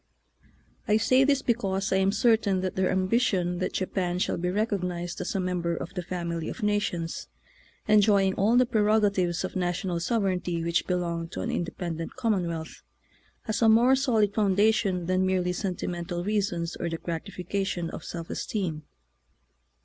I say this because I am cer tain that their ambition that Japan shall be recognized as a member of the family of nations, enjoying all the prerogatives of national sovereignty which belong to an independent commonwealth, has a more solid foundation than merely sen timental reasons or the gratification of self esteem.